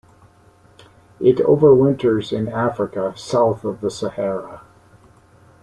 It overwinters in Africa south of the Sahara.